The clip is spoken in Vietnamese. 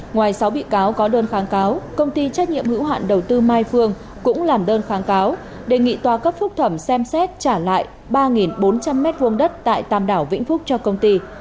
ngoài sáu bị cáo có đơn kháng cáo công ty trách nhiệm hữu hạn đầu tư mai phương cũng làm đơn kháng cáo đề nghị tòa cấp phúc thẩm xem xét trả lại ba bốn trăm linh m hai đất tại tàm đảo vĩnh phúc cho công ty